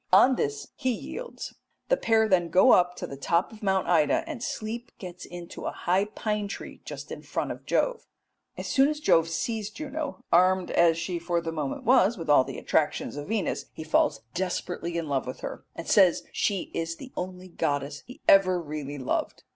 On this he yields; the pair then go up to the top of Mount Ida, and Sleep gets into a high pine tree just in front of Jove. As soon as Jove sees Juno, armed as she for the moment was with all the attractions of Venus, he falls desperately in love with her, and says she is the only goddess he ever really loved.